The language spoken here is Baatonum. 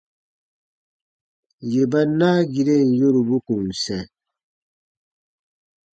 Yè ba naagiren yorubu kùn sɛ̃.